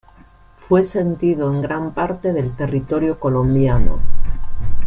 Fue sentido en gran parte del territorio colombiano.